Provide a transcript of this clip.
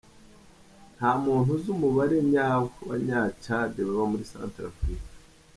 Nta muntu uzi umubare nyawo w’Abanya-Tchad baba muri Centrafrique.